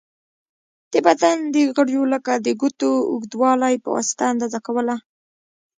د بدن د غړیو لکه د ګوتو اوږوالی په واسطه اندازه کوله.